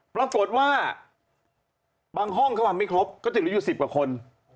ปรากฏว่าบางห้องเข้ามาไม่ครบก็จะเหลืออยู่๑๐กว่าคน